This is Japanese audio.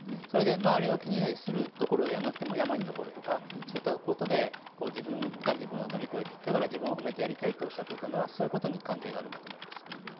周りを気にするところではなく山に登るとかそういうことで自分が自分を乗り越えただから自分を褒めてやりたいと言ったのはそういうことに関係あると思います。